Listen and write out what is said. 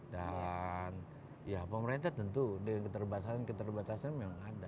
dan ya pemerintah tentu dengan keterbatasan keterbatasannya memang ada